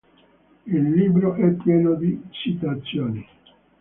Il libro è pieno di citazioni.